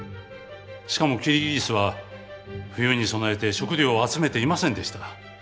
しかもキリギリスは冬に備えて食料を集めていませんでした。